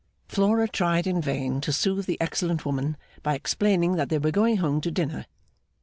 Flora tried in vain to soothe the excellent woman by explaining that they were going home to dinner.